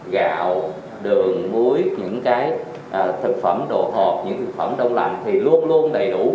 gạo đường muối những cái thực phẩm đồ hộp những thực phẩm đông lạnh thì luôn luôn đầy đủ